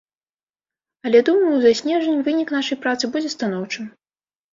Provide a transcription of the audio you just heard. Але, думаю, за снежань вынік нашай працы будзе станоўчым.